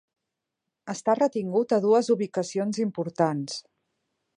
Està retingut a dues ubicacions importants.